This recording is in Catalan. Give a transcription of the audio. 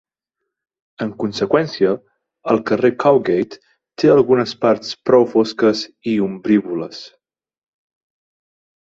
En conseqüència, el carrer Cowgate té algunes parts prou fosques i ombrívoles.